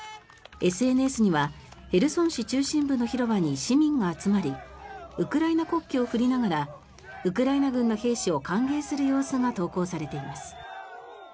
ＳＮＳにはヘルソン市中心部の広場に市民が集まりウクライナ国旗を振りながらウクライナ軍の兵士を歓迎する様子が投稿されています。